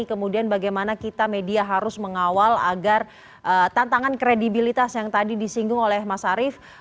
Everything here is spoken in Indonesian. kemudian bagaimana kita media harus mengawal agar tantangan kredibilitas yang tadi disinggung oleh mas arief